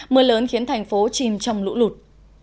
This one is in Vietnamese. mưa lớn khiến thành phố chìm trong lũ lụt